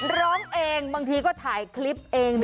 ร้องเองบางทีก็ถ่ายคลิปเอง